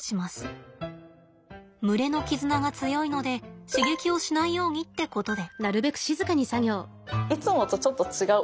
群れの絆が強いので刺激をしないようにってことで。